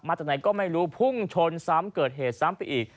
จากไหนก็ไม่รู้พุ่งชนซ้ำเกิดเหตุซ้ำไปอีก